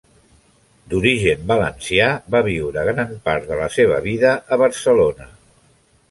D'origen valencià va viure gran part de la seva vida a Barcelona.